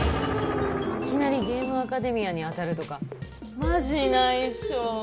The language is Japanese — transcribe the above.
いきなりゲームアカデミアにあたるとかマジないっしょ